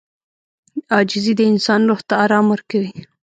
• عاجزي د انسان روح ته آرام ورکوي.